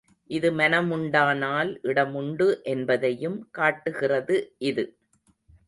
இது மனமுண்டானால் இடமுண்டு என்பதையும் காட்டுகிறது இது.